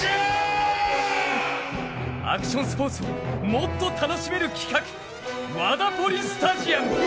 アクションスポーツをもっと楽しめる企画、ワダポリスタジアム。